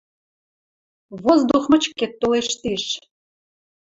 Воздух мычкет толеш тиш.